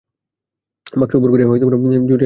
বাক্স উপুড় করিয়া ঝাড়িয়া কিছুই মিলিল না।